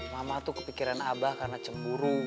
mama tuh kepikiran abah karena cemburu